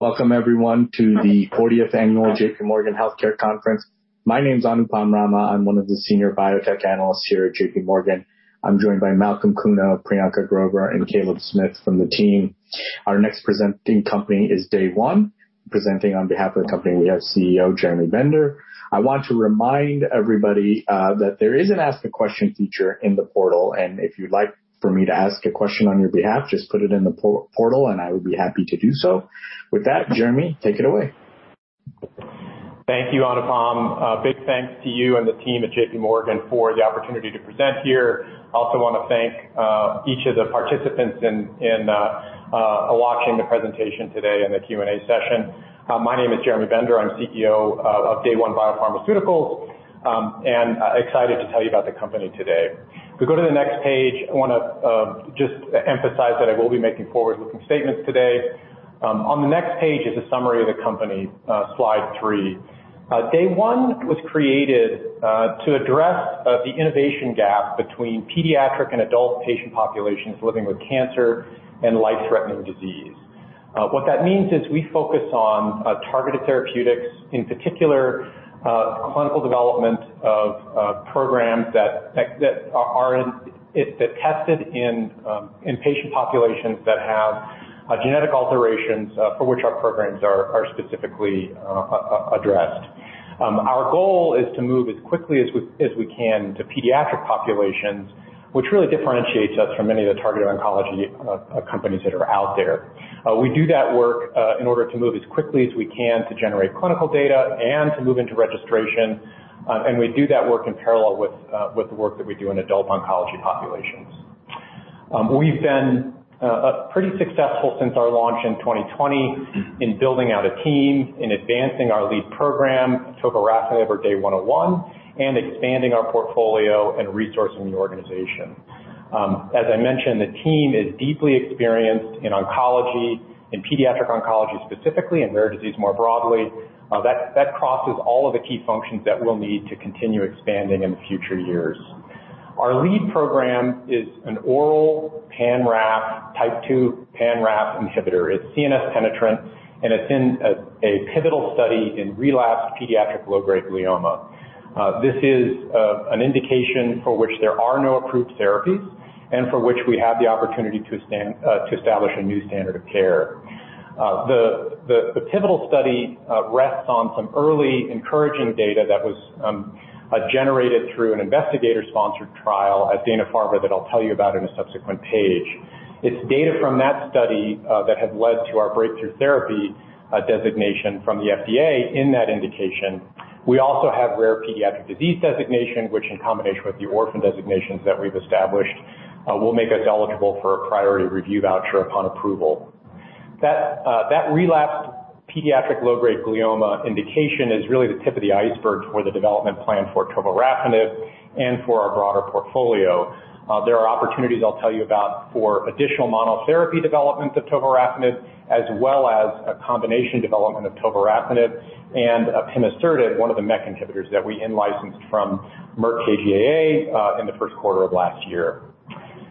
Welcome everyone to the 40th Annual J.P. Morgan Healthcare Conference. My name is Anupam Rama. I'm one of the senior biotech analysts here at J.P. Morgan. I'm joined by Malcolm Kuno, Priyanka Grover, and Caleb Smith from the team. Our next presenting company is Day One. Presenting on behalf of the company, we have CEO Jeremy Bender. I want to remind everybody that there is an ask the question feature in the portal, and if you'd like for me to ask a question on your behalf, just put it in the portal, and I would be happy to do so. With that, Jeremy, take it away. Thank you, Anupam. A big thanks to you and the team at J.P. Morgan for the opportunity to present here. I also wanna thank each of the participants watching the presentation today and the Q&A session. My name is Jeremy Bender. I'm CEO of Day One Biopharmaceuticals and excited to tell you about the company today. If we go to the next page, I wanna just emphasize that I will be making forward-looking statements today. On the next page is a summary of the company, slide three. Day One was created to address the innovation gap between pediatric and adult patient populations living with cancer and life-threatening disease. What that means is we focus on targeted therapeutics, in particular, clinical development of programs that are in... That tested in patient populations that have genetic alterations for which our programs are specifically addressed. Our goal is to move as quickly as we can to pediatric populations, which really differentiates us from many of the targeted oncology companies that are out there. We do that work in order to move as quickly as we can to generate clinical data and to move into registration. We do that work in parallel with the work that we do in adult oncology populations. We've been pretty successful since our launch in 2020 in building out a team, in advancing our lead program, Tovorafenib or DAY101, and expanding our portfolio and resourcing the organization. As I mentioned, the team is deeply experienced in oncology, in pediatric oncology specifically, and rare disease more broadly. That crosses all of the key functions that we'll need to continue expanding in future years. Our lead program is an oral pan-RAF, type II pan-RAF inhibitor. It's CNS penetrant, and it's in a pivotal study in relapsed pediatric low-grade glioma. This is an indication for which there are no approved therapies and for which we have the opportunity to establish a new standard of care. The pivotal study rests on some early encouraging data that was generated through an investigator-sponsored trial at Dana-Farber that I'll tell you about in a subsequent page. It's data from that study that has led to our Breakthrough Therapy designation from the FDA in that indication. We also have Rare Pediatric Disease Designation, which in combination with the Orphan Drug designations that we've established, will make us eligible for a priority review voucher upon approval. That relapsed pediatric low-grade glioma indication is really the tip of the iceberg for the development plan for Tovorafenib and for our broader portfolio. There are opportunities I'll tell you about for additional Monotherapy development of Tovorafenib, as well as a combination development of Tovorafenib and of pimasertib, one of the MEK inhibitors that we in-licensed from Merck KGaA, in the first quarter of last year.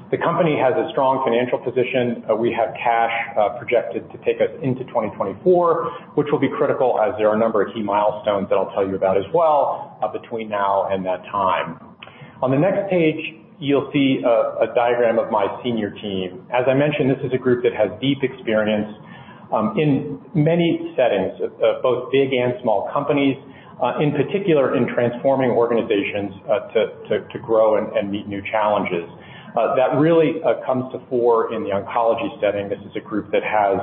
The company has a strong financial position. We have cash projected to take us into 2024, which will be critical as there are a number of key milestones that I'll tell you about as well, between now and that time. On the next page, you'll see a diagram of my senior team. As I mentioned, this is a group that has deep experience in many settings, both big and small companies, in particular in transforming organizations to grow and meet new challenges. That really comes to the fore in the oncology setting. This is a group that has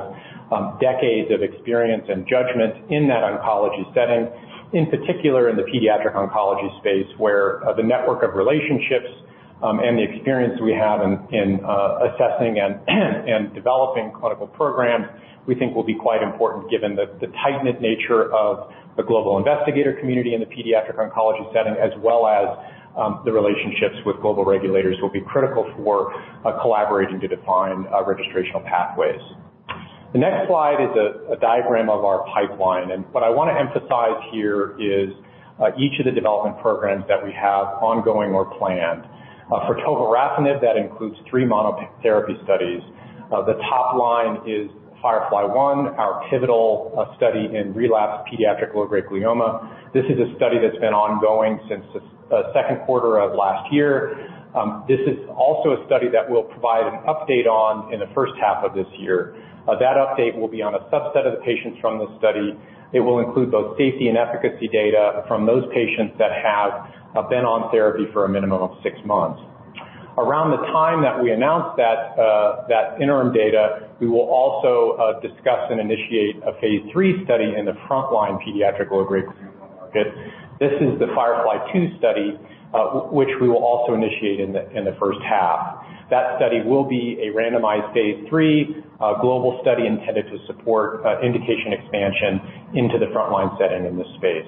decades of experience and judgment in that oncology setting, in particular in the pediatric oncology space, where the network of relationships and the experience we have in assessing and developing clinical programs, we think will be quite important given the tight-knit nature of the global investigator community in the pediatric oncology setting, as well as the relationships with global regulators will be critical for collaborating to define registrational pathways. The next slide is a diagram of our pipeline, and what I wanna emphasize here is each of the development programs that we have ongoing or planned. For Tovorafenib, that includes three Monotherapy studies. The top line is FIREFLY-1, our pivotal study in relapsed pediatric low-grade glioma. This is a study that's been ongoing since the second quarter of last year. This is also a study that we'll provide an update on in the first half of this year. That update will be on a subset of the patients from this study. It will include both safety and efficacy data from those patients that have been on therapy for a minimum of six months. Around the time that we announce that interim data, we will also discuss and initiate a phase III study in the frontline pediatric low-grade glioma market. This is the FIREFLY-2 study, which we will also initiate in the first half. That study will be a randomized phase III global study intended to support indication expansion into the frontline setting in this space.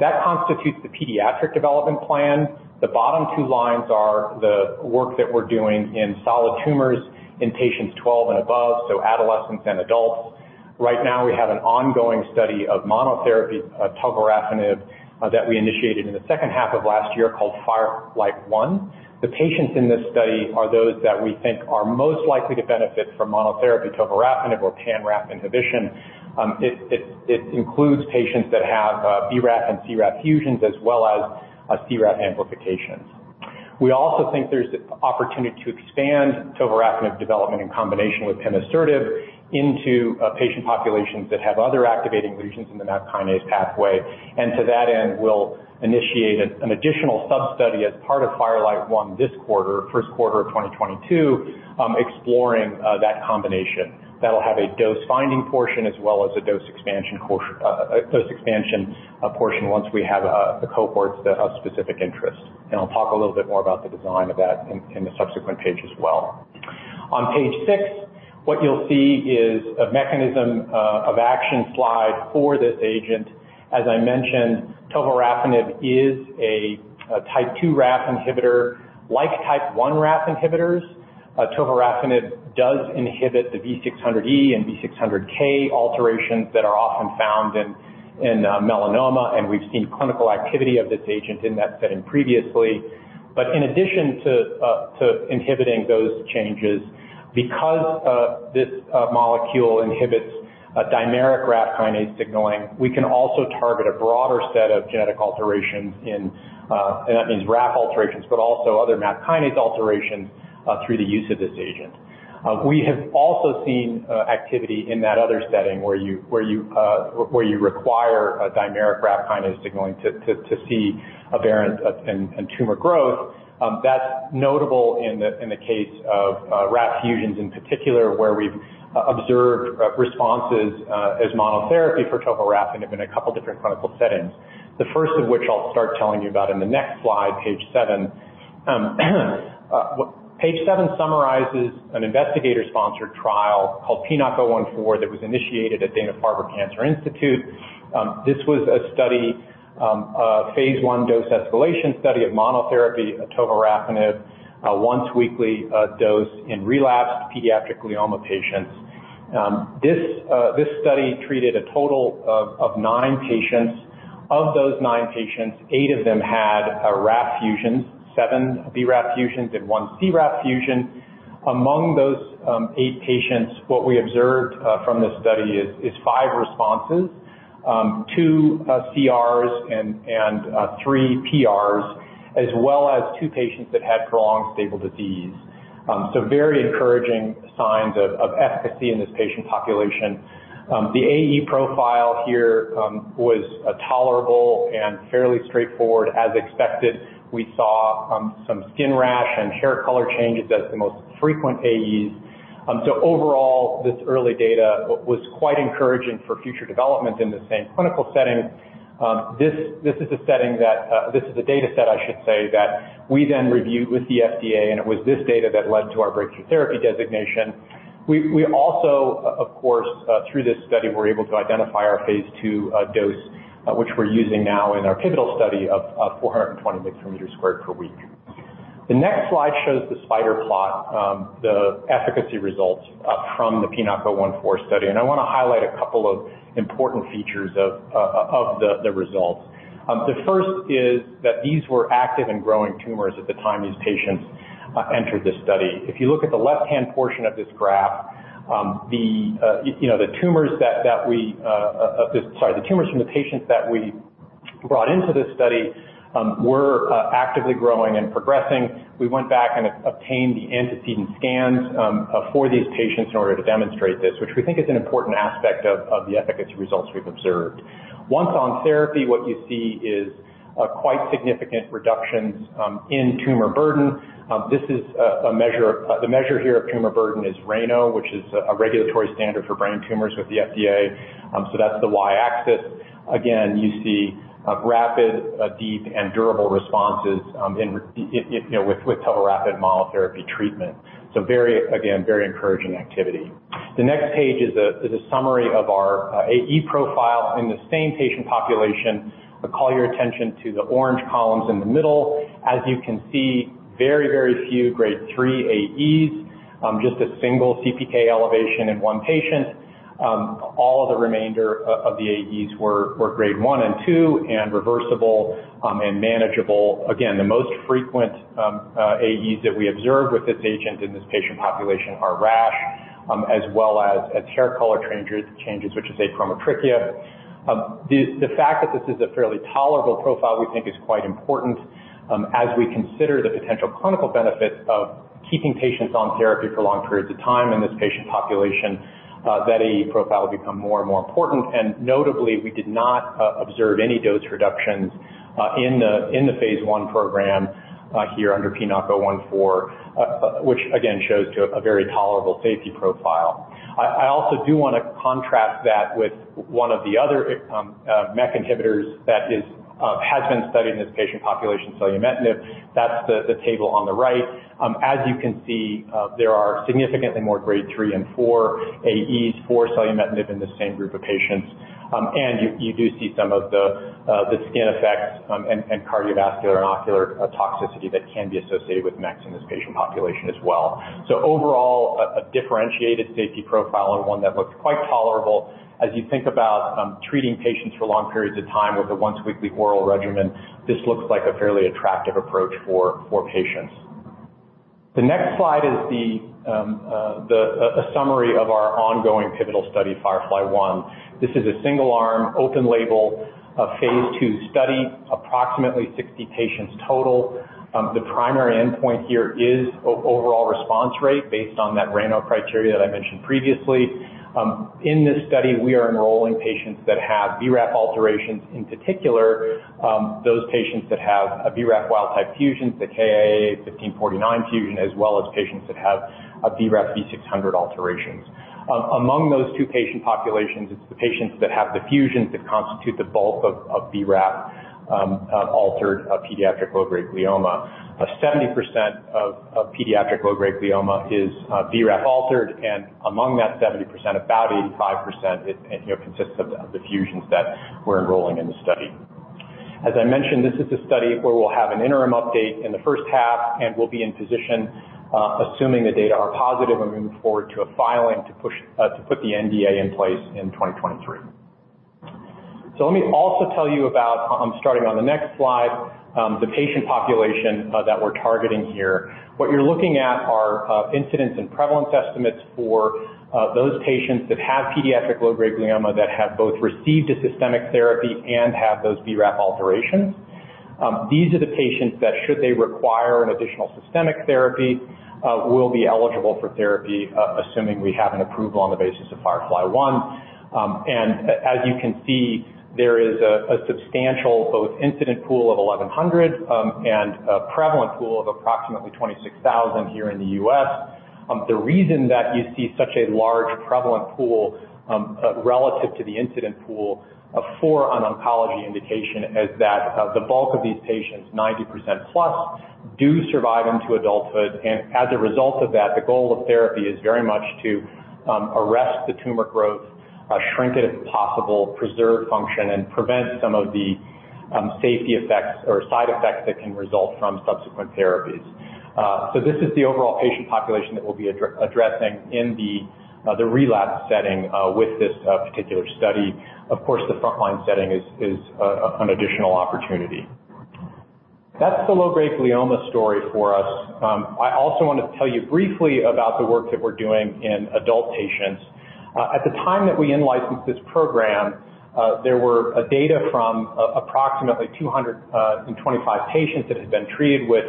That constitutes the pediatric development plan. The bottom two lines are the work that we're doing in solid tumors in patients 12 and above, so adolescents and adults. Right now, we have an ongoing study of Monotherapy Tovorafenib that we initiated in the second half of last year called FIREFLY-1. The patients in this study are those that we think are most likely to benefit from Monotherapy Tovorafenib or pan-RAF inhibition. It includes patients that have BRAF and CRAF fusions, as well as CRAF amplifications. We also think there's the opportunity to expand Tovorafenib development in combination with pimasertib into patient populations that have other activating lesions in the MAP kinase pathway. To that end, we'll initiate an additional sub-study as part of FIRELIGHT-1 this quarter, first quarter of 2022, exploring that combination. That will have a dose-finding portion as well as a dose expansion portion once we have the cohorts that have specific interests. I'll talk a little bit more about the design of that in the subsequent page as well. On page six, what you'll see is a mechanism of action slide for this agent. As I mentioned, Tovorafenib is a type II RAF inhibitor. Like type I RAF inhibitors, Tovorafenib does inhibit the V600E and V600K alterations that are often found in melanoma, and we've seen clinical activity of this agent in that setting previously. In addition to inhibiting those changes, because of this molecule inhibits a dimeric RAF kinase signaling, we can also target a broader set of genetic alterations in and that means RAF alterations, but also other MAP kinase alterations through the use of this agent. We have also seen activity in that other setting where you require a dimeric RAF kinase signaling to see aberrant and tumor growth. That's notable in the case of RAF fusions in particular, where we've observed responses as Monotherapy for Tovorafenib in a couple different clinical settings. The first of which I'll start telling you about in the next slide, page seven. Page seven summarizes an investigator-sponsored trial called PNOC014 that was initiated at Dana-Farber Cancer Institute. This was a study, a phase I dose-escalation study of Monotherapy Tovorafenib, a once-weekly dose in relapsed pediatric glioma patients. This study treated a total of nine patients. Of those nine patients, eight of them had a RAF fusion, seven BRAF fusions and one CRAF fusion. Among those eight patients, what we observed from this study is five responses, two CRs and three PRs, as well as two patients that had prolonged stable disease. Very encouraging signs of efficacy in this patient population. The AE profile here was tolerable and fairly straightforward as expected. We saw some skin rash and hair color changes as the most frequent AEs. Overall, this early data was quite encouraging for future development in the same clinical setting. This is a dataset, I should say, that we then reviewed with the FDA, and it was this data that led to our Breakthrough Therapy Designation. We also, of course, through this study, were able to identify our phase II dose, which we're using now in our pivotal study of 420 mg/m² per week. The next slide shows the spider plot, the efficacy results, from the PNOC014 study, and I wanna highlight a couple of important features of the results. The first is that these were active and growing tumors at the time these patients entered the study. If you look at the left-hand portion of this graph, you know, the tumors from the patients that we brought into this study were actively growing and progressing. We went back and obtained the antecedent scans for these patients in order to demonstrate this, which we think is an important aspect of the efficacy results we've observed. Once on therapy, what you see is quite significant reductions in tumor burden. This is the measure here of tumor burden is RANO, which is a regulatory standard for brain tumors with the FDA. That's the Y-axis. Again, you see rapid, deep, and durable responses, you know, with Tovorafenib Monotherapy treatment. Very, again, very encouraging activity. The next page is a summary of our AE profile in the same patient population. I call your attention to the orange columns in the middle. As you can see, very, very few grade 3 AEs, just a single CPK elevation in one patient. All of the remainder of the AEs were grade 1 and 2 and reversible, and manageable. Again, the most frequent AEs that we observed with this agent in this patient population are rash, as well as hair color changes, which is Achromotrichia. The fact that this is a fairly tolerable profile, we think is quite important, as we consider the potential clinical benefits of keeping patients on therapy for long periods of time in this patient population, that AE profile will become more and more important. Notably, we did not observe any dose reductions in the phase I program here under PNOC014, which again shows a very tolerable safety profile. I also do wanna contrast that with one of the other MEK inhibitors that has been studied in this patient population, Selumetinib. That's the table on the right. As you can see, there are significantly more grade three and four AEs for Selumetinib in the same group of patients. And you do see some of the skin effects and cardiovascular and ocular toxicity that can be associated with MEKs in this patient population as well. Overall, a differentiated safety profile and one that looks quite tolerable. As you think about treating patients for long periods of time with a once-weekly oral regimen, this looks like a fairly attractive approach for patients. The next slide is a summary of our ongoing pivotal study, FIREFLY-1. This is a single-arm, open-label phase II study, approximately 60 patients total. The primary endpoint here is overall response rate based on that RANO criteria that I mentioned previously. In this study, we are enrolling patients that have BRAF alterations, in particular, those patients that have a BRAF wild-type fusions, the KIAA1549 fusion, as well as patients that have a BRAF V600 alterations. Among those two patient populations, it's the patients that have the fusions that constitute the bulk of BRAF altered pediatric low-grade glioma. 70% of pediatric low-grade glioma is BRAF altered, and among that 70%, about 85% consists of the fusions that we're enrolling in the study. As I mentioned, this is a study where we'll have an interim update in the first half, and we'll be in position, assuming the data are positive and moving forward to a filing to put the NDA in place in 2023. Let me also tell you about, starting on the next slide, the patient population that we're targeting here. What you're looking at are incidence and prevalence estimates for those patients that have pediatric low-grade glioma that have both received a systemic therapy and have those BRAF alterations. These are the patients that, should they require an additional systemic therapy, will be eligible for therapy, assuming we have an approval on the basis of FIREFLY-1. As you can see, there is a substantial both incident pool of 1,100, and a prevalent pool of approximately 26,000 here in the US The reason that you see such a large prevalent pool, relative to the incident pool, for an oncology indication is that, the bulk of these patients, 90%+, do survive into adulthood. As a result of that, the goal of therapy is very much to arrest the tumor growth, shrink it if possible, preserve function, and prevent some of the safety effects or side effects that can result from subsequent therapies. This is the overall patient population that we'll be addressing in the relapse setting with this particular study. Of course, the frontline setting is an additional opportunity. That's the low-grade glioma story for us. I also want to tell you briefly about the work that we're doing in adult patients. At the time that we in-licensed this program, there were data from approximately 225 patients that had been treated with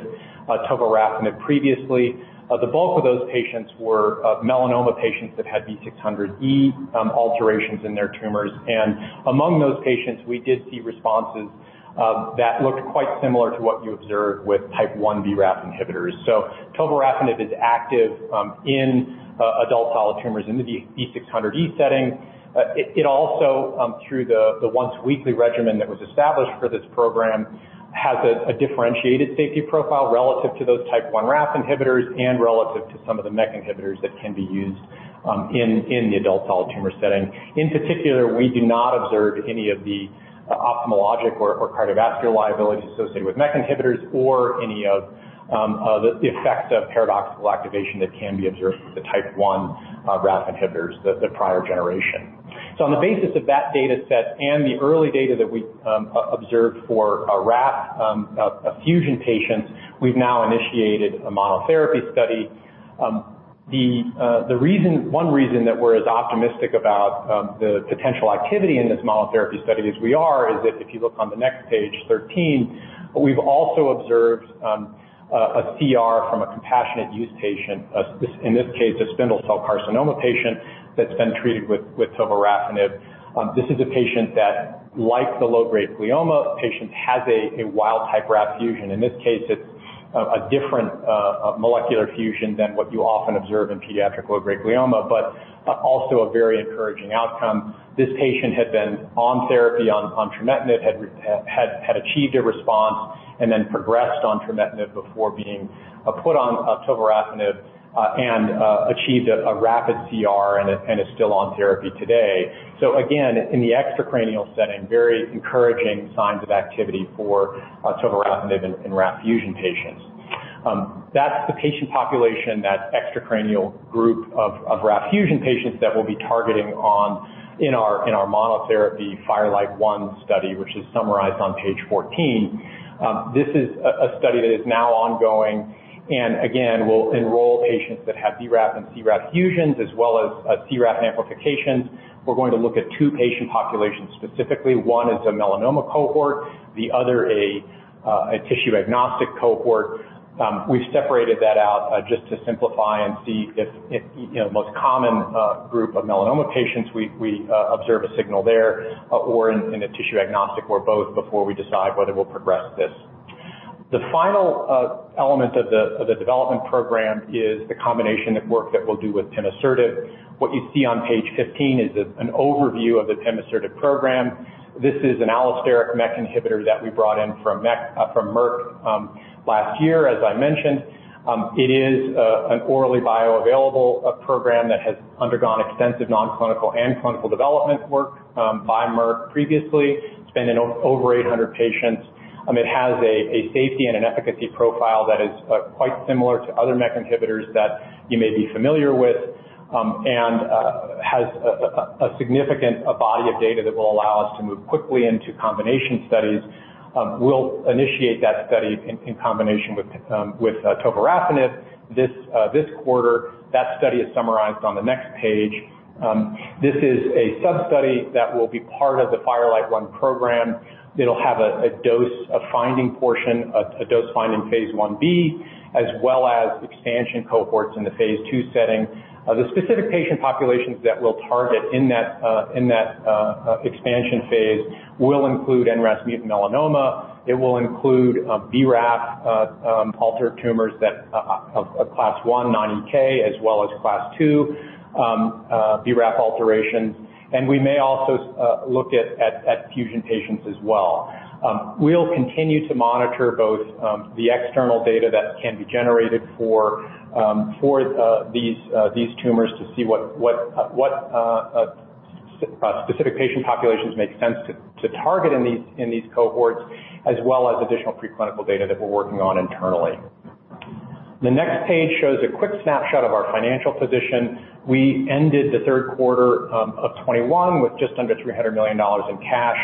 Tovorafenib previously. The bulk of those patients were melanoma patients that had V600E alterations in their tumors. Among those patients, we did see responses that looked quite similar to what you observed with type I BRAF inhibitors. Tovorafenib is active in adult solid tumors in the V600E setting. It also, through the once-weekly regimen that was established for this program, has a differentiated safety profile relative to those type I RAF inhibitors and relative to some of the MEK inhibitors that can be used in the adult solid tumor setting. In particular, we do not observe any of the Ophthalmologic or Cardiovascular liabilities associated with MEK inhibitors or any of the effects of paradoxical activation that can be observed with the type I RAF inhibitors, the prior generation. On the basis of that data set and the early data that we observed for a RAF fusion patient, we've now initiated a Monotherapy study. One reason that we're as optimistic about the potential activity in this Monotherapy study as we are is that if you look on the next page, 13, we've also observed a CR from a compassionate use patient in this case, a spindle cell carcinoma patient that's been treated with Tovorafenib. This is a patient that, like the low-grade glioma patient, has a wild-type RAF fusion. In this case, it's a different molecular fusion than what you often observe in pediatric low-grade glioma, but also a very encouraging outcome. This patient had been on therapy on Trametinib, had achieved a response, and then progressed on Trametinib before being put on Tovorafenib and achieved a rapid CR and is still on therapy today. Again, in the extracranial setting, very encouraging signs of activity for Tovorafenib in RAF fusion patients. That's the patient population, that extracranial group of RAF fusion patients that we'll be targeting in our Monotherapy FIRELIGHT-1 study, which is summarized on page 14. This is a study that is now ongoing and again, will enroll patients that have BRAF and CRAF fusions, as well as CRAF amplifications. We're going to look at two patient populations specifically. One is a melanoma cohort, the other a tissue-agnostic cohort. We've separated that out just to simplify and see if you know most common group of melanoma patients, we observe a signal there or in a tissue-agnostic or both before we decide whether we'll progress this. The final element of the development program is the combination of work that we'll do with pimasertib. What you see on page 15 is an overview of the pimasertib program. This is an allosteric MEK inhibitor that we brought in from Merck last year, as I mentioned. It is an orally bioavailable program that has undergone extensive non-clinical and clinical development work by Merck previously, spanning over 800 patients. It has a safety and an efficacy profile that is quite similar to other MEK inhibitors that you may be familiar with, and has a significant body of data that will allow us to move quickly into combination studies. We'll initiate that study in combination with Tovorafenib this quarter. That study is summarized on the next page. This is a sub-study that will be part of the FIRELIGHT-1 program. It'll have a dose-finding portion, a dose-finding phase I-B, as well as expansion cohorts in the phase II setting. The specific patient populations that we'll target in that expansion phase will include NRAS mutant melanoma. It will include BRAF altered tumors that of a Class 1 non-V600 as well as Class 2 BRAF alterations. We may also look at fusion patients as well. We'll continue to monitor both the external data that can be generated for these tumors to see what specific patient populations make sense to target in these cohorts, as well as additional preclinical data that we're working on internally. The next page shows a quick snapshot of our financial position. We ended the third quarter of 2021 with just under $300 million in cash.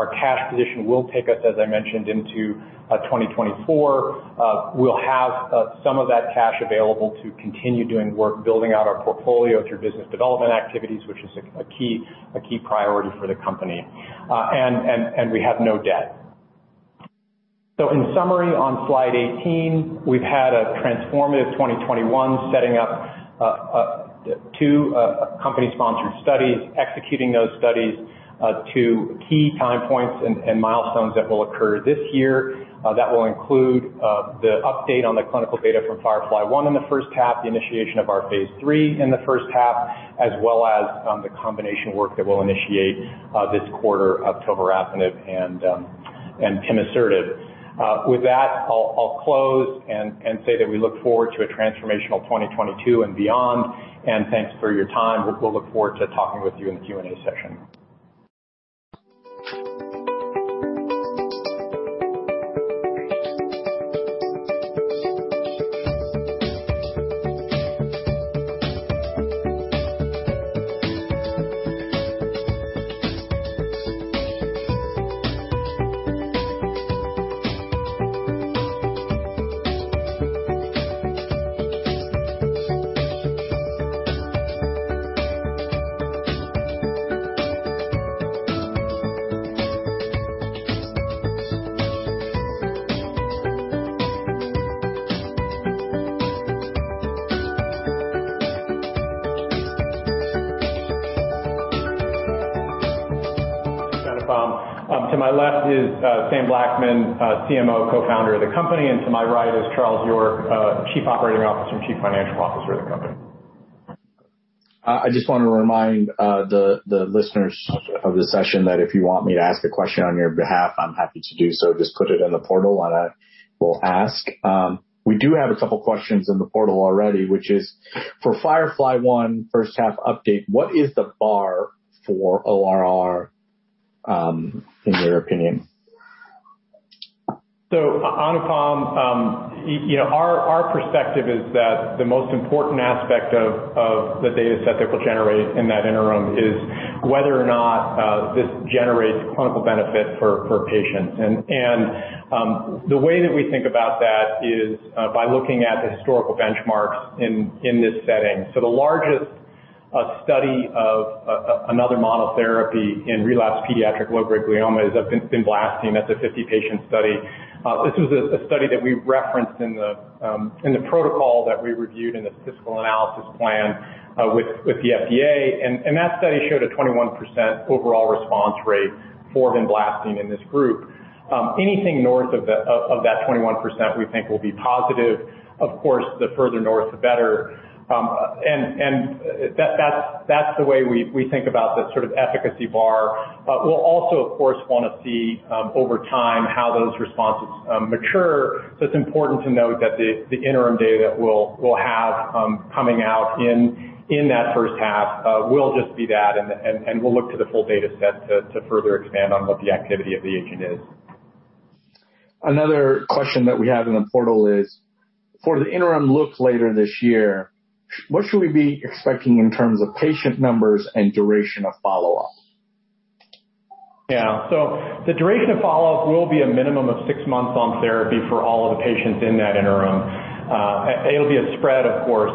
Our cash position will take us, as I mentioned, into 2024. We'll have some of that cash available to continue doing work building out our portfolio through business development activities, which is a key priority for the company. We have no debt. In summary, on slide 18, we've had a transformative 2021, setting up two company-sponsored studies, executing those studies, two key time points and milestones that will occur this year. That will include the update on the clinical data from FIREFLY-1 in the first half, the initiation of our phase III in the first half, as well as the combination work that we'll initiate this quarter of Tovorafenib and pimasertib. With that, I'll close and say that we look forward to a transformational 2022 and beyond. Thanks for your time. We'll look forward to talking with you in the Q&A session. Anupam. To my left is Sam Blackman, CMO, Co-Founder of the company, and to my right is Charles N. York II, Chief Operating Officer and Chief Financial Officer of the company. I just wanna remind the listeners of the session that if you want me to ask a question on your behalf, I'm happy to do so. Just put it in the portal and I will ask. We do have a couple questions in the portal already, which is, for FIREFLY-1 first half update, what is the bar for ORR in your opinion? Anupam, you know, our perspective is that the most important aspect of the dataset that we'll generate in that interim is whether or not this generates clinical benefit for patients. The way that we think about that is by looking at the historical benchmarks in this setting. The largest study of another Monotherapy in relapsed pediatric low-grade glioma is Vinblastine. That's a 50-patient study. This was a study that we referenced in the protocol that we reviewed in the statistical analysis plan with the FDA, and that study showed a 21% overall response rate for Vinblastine in this group. Anything north of that 21% we think will be positive. Of course, the further north, the better. That's the way we think about the sort of efficacy bar. We'll also, of course, wanna see over time how those responses mature. It's important to note that the interim data we'll have coming out in that first half will just be that and we'll look to the full dataset to further expand on what the activity of the agent is. Another question that we have in the portal is, for the interim look later this year, what should we be expecting in terms of patient numbers and duration of follow-up? The duration of follow-up will be a minimum of six months on therapy for all of the patients in that interim. It'll be a spread, of course,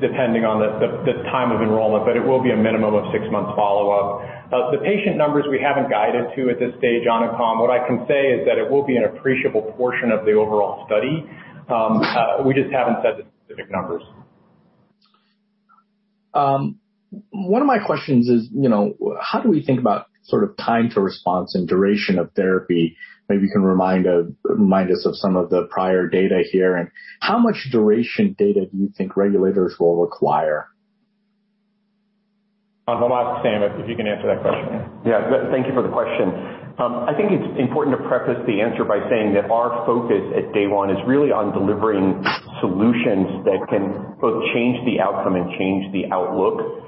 depending on the time of enrollment, but it will be a minimum of six months follow-up. The patient numbers we haven't guided to at this stage, Anupam. What I can say is that it will be an appreciable portion of the overall study. We just haven't said the specific numbers. One of my questions is, you know, how do we think about sort of time to response and duration of therapy? Maybe you can remind us of some of the prior data here, and how much duration data do you think regulators will require? I'll ask Sam if he can answer that question. Yeah. Thank you for the question. I think it's important to preface the answer by saying that our focus at Day One is really on delivering solutions that can both change the outcome and change the outlook.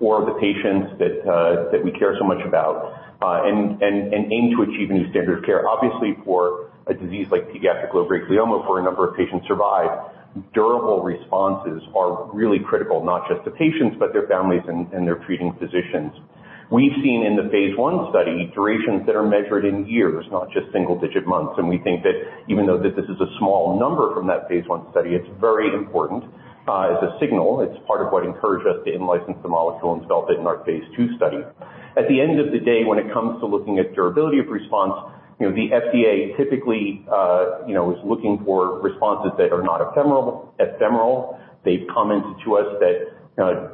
For the patients that we care so much about, and aim to achieve a new standard of care. Obviously, for a disease like pediatric glioblastoma, for a number of patients survive, durable responses are really critical, not just the patients, but their families and their treating physicians. We've seen in the phase I study durations that are measured in years, not just single-digit months. We think that even though this is a small number from that phase I study, it's very important as a signal. It's part of what encouraged us to in-license the molecule and develop it in our phase II study. At the end of the day, when it comes to looking at durability of response, you know, the FDA typically, you know, is looking for responses that are not ephemeral. They've commented to us that,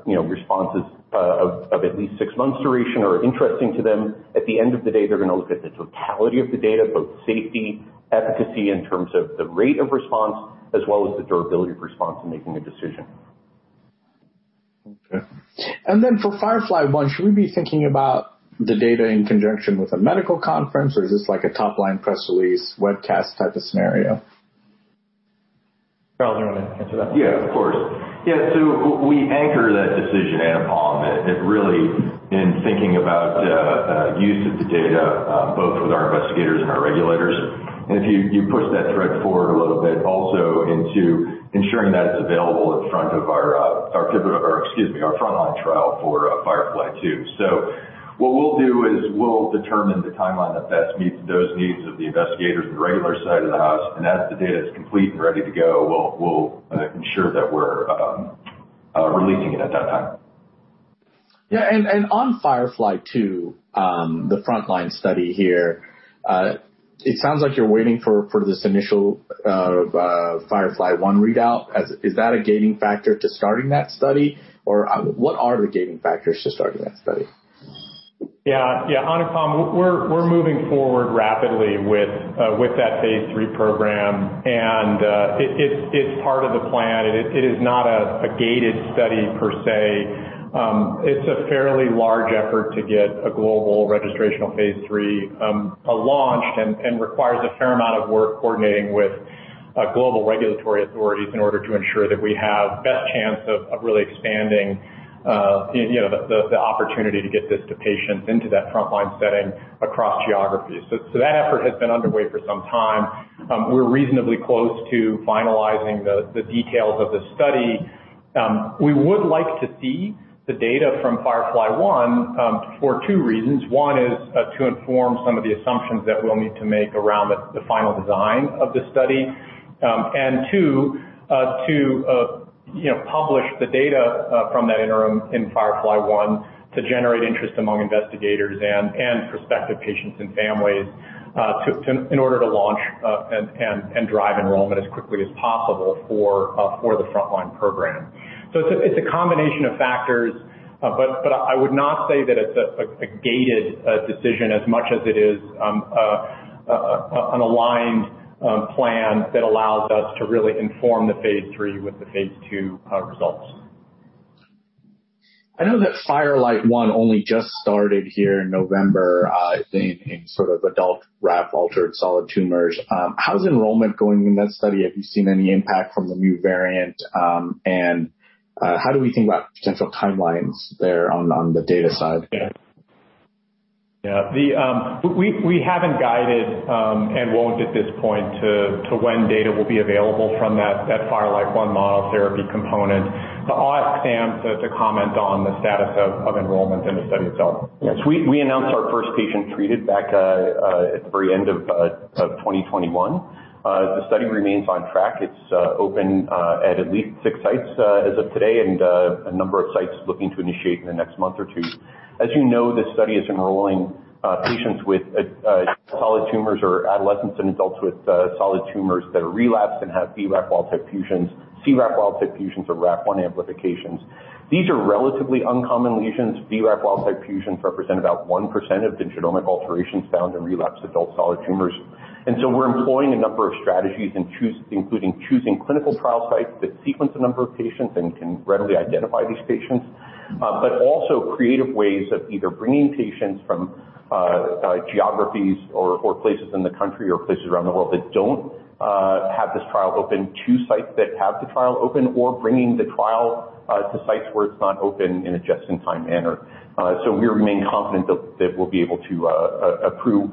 you know, responses of at least six months duration are interesting to them. At the end of the day, they're gonna look at the totality of the data, both safety, efficacy in terms of the rate of response, as well as the durability of response in making a decision. Okay. For FIREFLY-1, should we be thinking about the data in conjunction with a medical conference, or is this like a top-line press release webcast type of scenario? Charles, do you wanna answer that one? Yeah. Of course. Yeah. We anchor that decision, Anupam, it really in thinking about use of the data both with our investigators and our regulators. If you push that thread forward a little bit also into ensuring that it's available in front of our pivotal, excuse me, our frontline trial for FIREFLY-2. What we'll do is we'll determine the timeline that best meets those needs of the investigators and the regulatory side of the house. As the data is complete and ready to go, we'll ensure that we're releasing it at that time. Yeah. On FIREFLY-2, the frontline study here, it sounds like you're waiting for this initial FIREFLY-1 readout. Is that a gating factor to starting that study? Or, what are the gating factors to starting that study? Yeah. Anupam, we're moving forward rapidly with that phase III program, and it's part of the plan. It is not a gated study per se. It's a fairly large effort to get a global registrational phase III launched and requires a fair amount of work coordinating with global regulatory authorities in order to ensure that we have best chance of really expanding. You know, the opportunity to get this to patients into that frontline setting across geographies. That effort has been underway for some time. We're reasonably close to finalizing the details of the study. We would like to see the data from FIREFLY-1 for two reasons. One is to inform some of the assumptions that we'll need to make around the final design of the study. Two, to you know, publish the data from that interim in FIREFLY-1 to generate interest among investigators and prospective patients and families, in order to launch and drive enrollment as quickly as possible for the frontline program. It's a combination of factors, but I would not say that it's a gated decision as much as it is an aligned plan that allows us to really inform the phase III with the phase II results. I know that FIRELIGHT-1 only just started here in November, in sort of adult RAF altered solid tumors. How's enrollment going in that study? Have you seen any impact from the new variant? How do we think about potential timelines there on the data side? Yeah. Yeah. We haven't guided and won't at this point to when data will be available from that FIRELIGHT-1 Monotherapy component. I'll ask Sam to comment on the status of enrollment in the study itself. Yes. We announced our first patient treated back at the very end of 2021. The study remains on track. It's open at least six sites as of today, and a number of sites looking to initiate in the next month or two. As you know, this study is enrolling patients with solid tumors or adolescents and adults with solid tumors that are relapsed and have BRAF-altered fusions, CRAF-altered fusions or RAF1 amplifications. These are relatively uncommon lesions. BRAF-altered fusions represent about 1% of the genomic alterations found in relapsed adult solid tumors. We're employing a number of strategies including choosing clinical trial sites that sequence a number of patients and can readily identify these patients, but also creative ways of either bringing patients from geographies or places in the country or places around the world that don't have this trial open to sites that have the trial open or bringing the trial to sites where it's not open in a just in time manner. We remain confident that we'll be able to enroll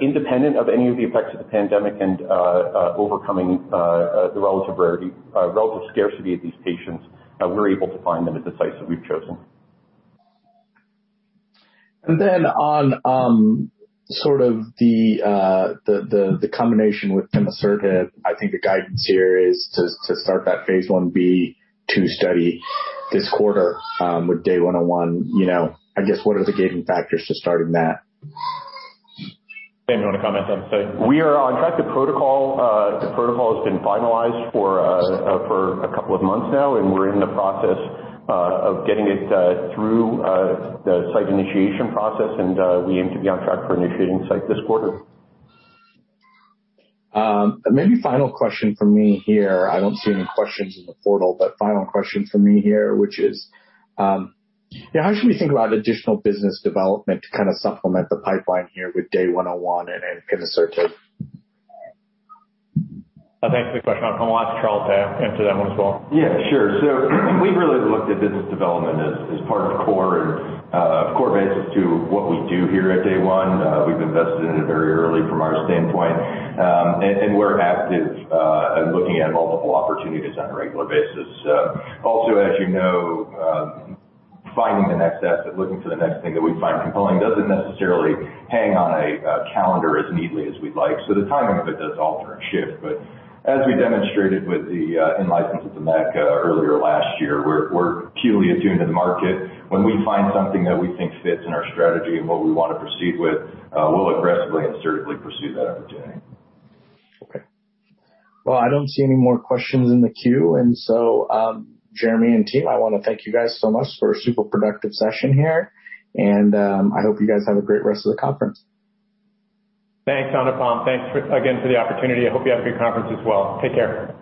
independent of any of the effects of the pandemic and overcoming the relative rarity, relative scarcity of these patients. We're able to find them at the sites that we've chosen. On sort of the combination with pimasertib, I think the guidance here is to start that phase I-B/II study this quarter with DAY101. You know, I guess, what are the gating factors to starting that? Sam, do you wanna comment on the study? We are on track. The protocol has been finalized for a couple of months now, and we're in the process of getting it through the site initiation process, and we aim to be on track for initiating site this quarter. Maybe final question from me here. I don't see any questions in the portal, but final question from me here, which is, how should we think about additional business development to kinda supplement the pipeline here with DAY101 and Pimasertib? Thanks for the question. I'm gonna ask Charles to answer that one as well. Yeah, sure. We really looked at business development as part of core basis to what we do here at Day One. We've invested in it very early from our standpoint. We're active in looking at multiple opportunities on a regular basis. Also, as you know, finding the next asset, looking for the next thing that we find compelling doesn't necessarily hang on a calendar as neatly as we'd like. The timing of it does alter and shift. As we demonstrated with the in-license with MEK earlier last year, we're acutely attuned to the market. When we find something that we think fits in our strategy and what we wanna proceed with, we'll aggressively and surgically pursue that opportunity. Okay. Well, I don't see any more questions in the queue. Jeremy and team, I wanna thank you guys so much for a super productive session here. I hope you guys have a great rest of the conference. Thanks, Anupam. Thanks again for the opportunity. I hope you have a good conference as well. Take care.